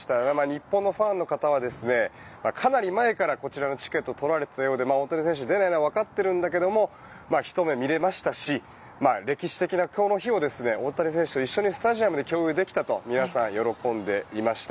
日本のファンの方はかなり前からこちらのチケット取られていたようで大谷選手出ないのはわかってるんだけどもひと目見られましたし歴史的な今日の日を大谷選手と一緒にスタジアムで共有できたと皆さん喜んでいました。